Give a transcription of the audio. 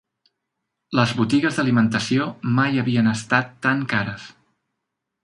Les botigues d'alimentació mai havien estat tan cares.